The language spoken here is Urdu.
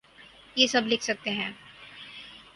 یہ سب لکھ سکتے ہیں؟